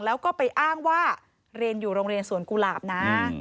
แล้วก็ไปอ้างว่าเรียนอยู่โรงเรียนสวนกุหลาบนะ